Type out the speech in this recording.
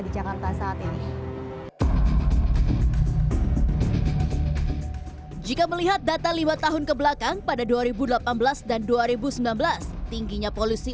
di jakarta saat ini jika melihat data lima tahun kebelakang pada dua ribu delapan belas dan dua ribu sembilan belas tingginya polusi